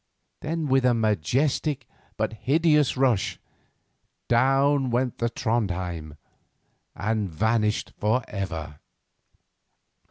Then, with a majestic, but hideous rush, down went the Trondhjem and vanished for ever.